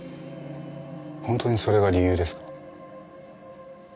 本当にそれが理由ですか？